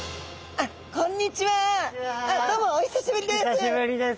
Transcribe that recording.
あっどうもお久しぶりです！